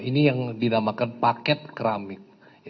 ini yang dinamakan paket keramik